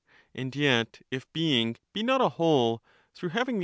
And yet if being be not a whole, through having the piuraUty.